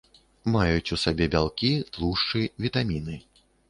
Маюць у сабе бялкі, тлушчы, вітаміны.